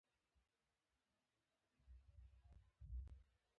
خطبه به د شمس الدین التمش په نامه وایي.